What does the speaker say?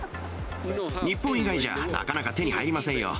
日本以外じゃなかなか手に入りませんよ。